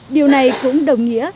điều này cũng đồng nghĩa